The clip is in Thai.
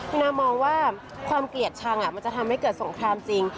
คุณนามองว่าความเกลียดชังมันจะทำให้เกิดสงครามจริง